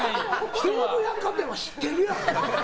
西武百貨店は知ってるやろ。